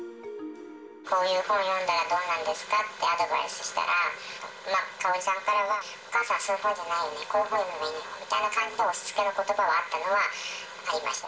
こういう本を読んだらどうなんですかってアドバイスしたら、かほりさんからは、お母さん、そういう本じゃないよね、こういう本を読んだほうがいいよねっていう押しつけのことばはあったのはありました。